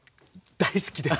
大好きです！